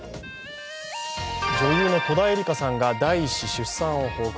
女優の戸田恵梨香さんが第１子出産を報告。